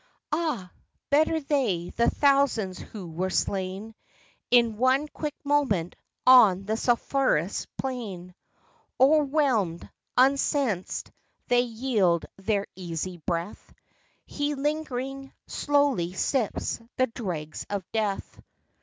Ah ! better they, the thousands who were slain, In one quick moment, on the sulphurous plain Overwhelmed, unsensed they yield their easy breath : lie lingering, slowly sips the dregs of death.